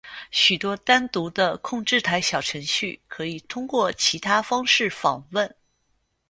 许多单独的控制台小程序可以通过其他方式访问。